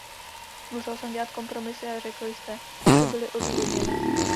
Musel jsem dělat kompromisy a řekl jste, že byly odůvodněné.